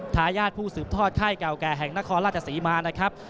ตายากผู้สือบท็อตไข้กาวแก่แห่งนครราชสีมานะครับ